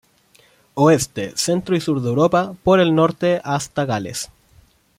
Oeste, centro y sur de Europa, por el norte hasta Gales.